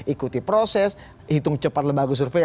ikuti proses hitung cepat lembaga survei